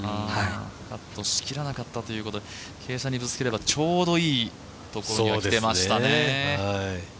シットしきれなかったということで、傾斜にぶつければちょうどいいところに来ていましたね。